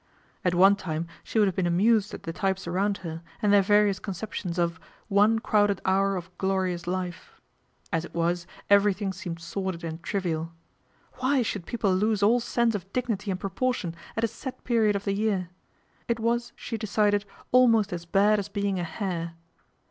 At one time she would have been amused at the types around her, and their various conceptions of " one crowded hour of glorious life." As it was, everything seemed sordid and trivial. Why should people lose all sense of dignity and propor tion at a set period of the year? It was, she decided, almost as bad as being a hare.